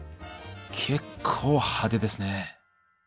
結構派手ですね。